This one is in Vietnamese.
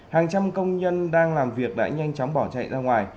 hàng trăm công nhân đang làm việc đã nhanh chóng bỏ chạy ra ngoài